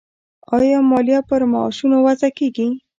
آیا مالیه پر معاشونو وضع کیږي؟